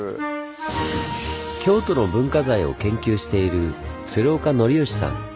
京都の文化財を研究している鶴岡典慶さん。